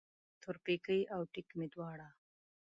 تورپیکی او ټیک مې دواړه